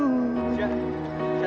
tunggu dulu syah